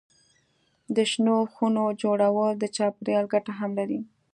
د شنو خونو جوړول د چاپېریال ګټه هم لري.